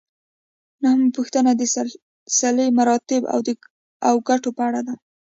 نهمه پوښتنه د سلسله مراتبو او ګټو په اړه ده.